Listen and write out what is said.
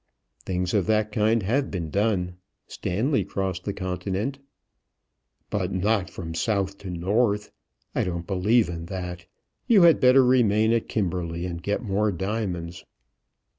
"Things of that kind have been done. Stanley crossed the continent." "But not from south to north. I don't believe in that. You had better remain at Kimberley and get more diamonds."